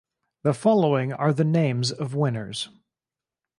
The following are the names of winners.